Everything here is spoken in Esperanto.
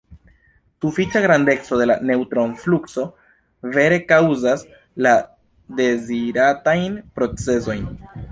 Sufiĉa grandeco de la neŭtron-flukso vere kaŭzas la deziratajn procezojn.